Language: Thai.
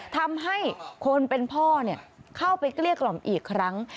ทำให้คนเป็นพ่อเข้าไปเกลี้ยกล่อมอีกครั้ง